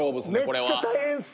めっちゃ大変っす。